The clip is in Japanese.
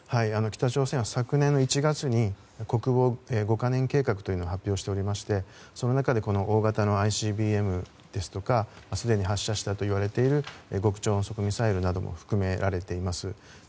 北朝鮮は昨年１月に国防５か年計画を発表しておりましてその中で大型のＩＣＢＭですとかすでに発射したといわれる極超音速ミサイルなども含められています。